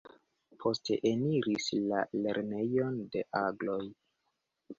Poste eniris la "Lernejon de Agloj".